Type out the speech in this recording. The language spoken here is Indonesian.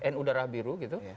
nu darah biru gitu